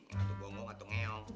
atau bongok atau ngeel